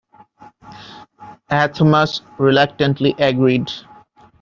Athamas reluctantly agreed.